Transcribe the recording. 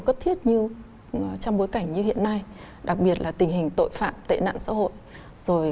cấp thiết như trong bối cảnh như hiện nay đặc biệt là tình hình tội phạm tệ nạn xã hội rồi